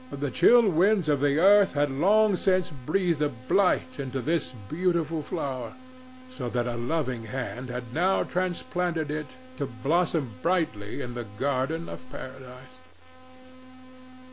The chill winds of the earth had long since breathed a blight into this beautiful flower; so that a loving hand had now transplanted it to blossom brightly in the garden of Paradise.